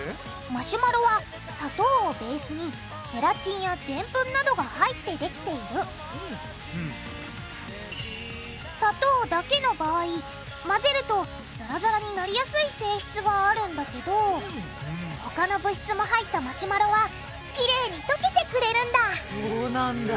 マシュマロは砂糖をベースにゼラチンやデンプンなどが入ってできている砂糖だけの場合混ぜるとザラザラになりやすい性質があるんだけど他の物質も入ったマシュマロはきれいにとけてくれるんだそうなんだ。